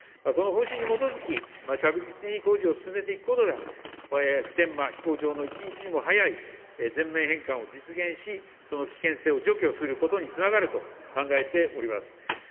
この方針に基づき、着実に工事を進めていくことが、普天間飛行場の一日も早い全面返還を実現し、その危険性を除去することにつながると考えております。